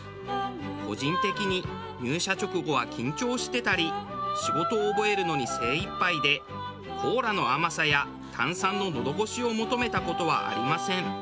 個人的に入社直後は緊張してたり仕事を覚えるのに精いっぱいでコーラの甘さや炭酸の喉ごしを求めた事はありません。